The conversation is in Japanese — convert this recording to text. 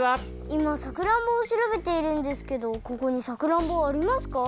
いまさくらんぼをしらべているんですけどここにさくらんぼはありますか？